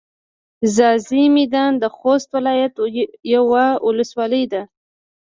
ځاځي میدان د خوست ولایت یوه ولسوالي ده.